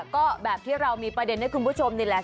ก็แบบที่เรามีประเด็นให้คุณผู้ชมนี่แหละ